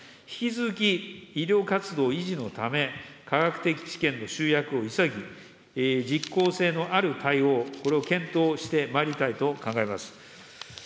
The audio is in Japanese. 引き続き、医療活動維持のため、科学的知見の集約を急ぎ、実効性のある対応、これを検討してまいりたいと考えます。